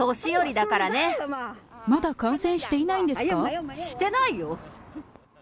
まだ感染していないんですかしてないよ。